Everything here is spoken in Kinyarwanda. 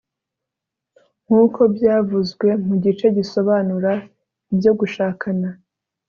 nkuko byavuzwe mu gice gisobanura ibyo gushakana